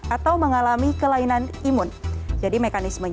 atau menggunakan vaksin yang berusia di atas enam puluh tahun